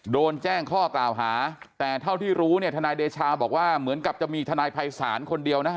โดนแจ้งข้อกล่าวหาแต่เท่าที่รู้เนี่ยทนายเดชาบอกว่าเหมือนกับจะมีทนายภัยศาลคนเดียวนะฮะ